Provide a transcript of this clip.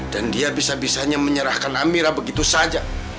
dan dia bisa bisanya menyerahkan amira begitu saja